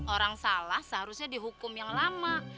orang salah seharusnya dihukum yang lama